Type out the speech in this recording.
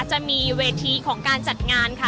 จะมีเวทีของการจัดงานค่ะ